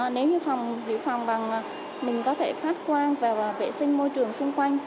nếu như phòng giữ phòng bằng mình có thể phát quan vào vệ sinh môi trường xung quanh